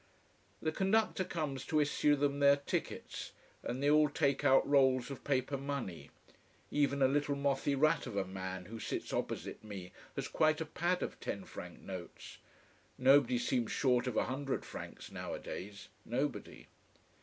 The conductor comes to issue them their tickets. And they all take out rolls of paper money. Even a little mothy rat of a man who sits opposite me has quite a pad of ten franc notes. Nobody seems short of a hundred francs nowadays: nobody.